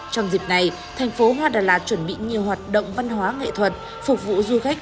trong dịp này thành phố hoa đà lạt chuẩn bị nhiều hoạt động văn hóa nghệ thuật phục vụ du khách